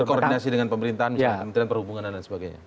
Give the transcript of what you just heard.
berkoordinasi dengan pemerintahan kementerian perhubungan dan sebagainya